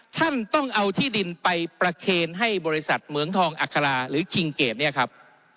ท่านต้องเอาที่ดินไปประเคนให้บริษัทเหมืองทองอัคราหรือคิงเกดเนี่ยครับ